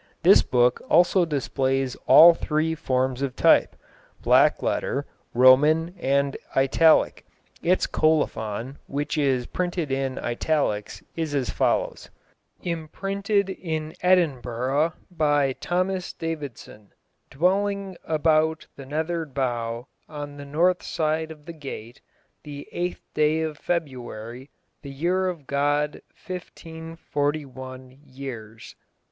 This book also displays all three forms of type black letter, Roman, and Italic. Its colophon, which is printed in Italics, is as follows: _Imprentit in Edinburgh, be Thomas Davidson, dweling abone the nether bow, on the north syde of the gait, the aucht day of Februarii, the zeir of God. 1541. zeris.